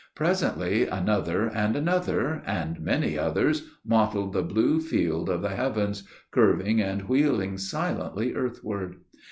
Presently another, and another, and many others, mottled the blue field of the heavens, curving and wheeling silently earthward.